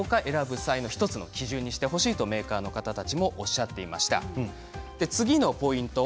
これらがついてるかどうか選ぶ際の１つの基準にしてほしいとメーカーの方たちはおっしゃっていました。